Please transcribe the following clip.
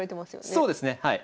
そうですねはい。